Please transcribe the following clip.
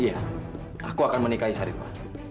iya aku akan menikahi syarifah